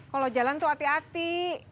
kalau jalan tuh hati hati